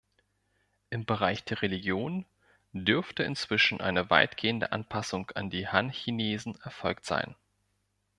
Im Bereich der Religion dürfte inzwischen eine weitgehende Anpassung an die Han-Chinesen erfolgt sein.